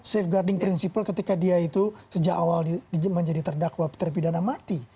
safeguarding principle ketika dia itu sejak awal menjadi terdakwa terpidana mati